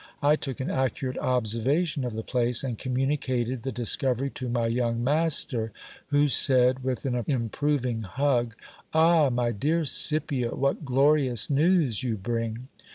I took an accurate observation of the place, and communicated the discovery to my young master, who said with an improving hug : Ah ! my dear Scipio, what glorious news you bring